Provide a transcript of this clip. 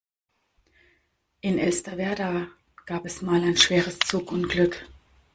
In Elsterwerda gab es mal ein schweres Zugunglück.